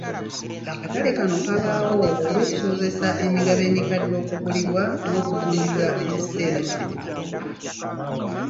Akatale kano kabaawo olw'okusobozesa emigabo emikadde okugulibwa n'okutundibwa ekiseera kyonna.